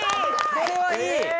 これはいい！